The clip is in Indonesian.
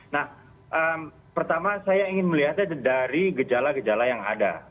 nah pertama saya ingin melihatnya dari gejala gejala yang ada